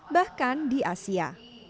bahkan di asia